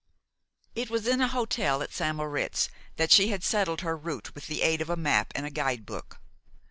It was in a hotel at St. Moritz that she had settled her route with the aid of a map and a guidebook.